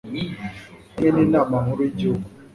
hamwe n'inama nkuru y'igihugu